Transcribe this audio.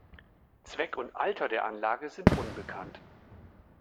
Zweck und Alter der Anlage sind unbekannt.